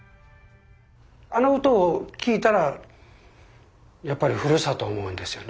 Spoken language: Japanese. あの歌を聴いたらやっぱりふるさとを思うんですよね。